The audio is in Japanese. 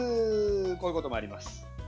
こういうこともあります。